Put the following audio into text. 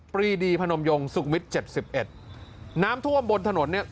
รีดีพนมยงสุขมิตรเจ็ดสิบเอ็ดน้ำท่วมบนถนนเนี่ย